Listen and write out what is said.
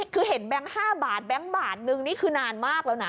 คือเห็นแบงค์๕บาทแบงค์บาทนึงนี่คือนานมากแล้วนะ